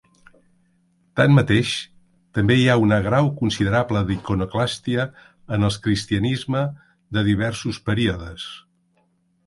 Tanmateix, també hi ha una grau considerable d'iconoclàstia en el cristianisme de diversos períodes.